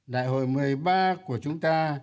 đại hội một mươi ba của chúng ta